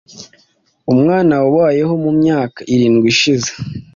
Umwana wabayeho mu myaka irindwi ishize